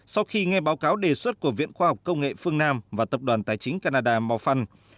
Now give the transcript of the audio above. sau khi nghe báo cáo đề xuất của viện khoa học công nghệ phương nam và tập đoàn tài chính canada morfan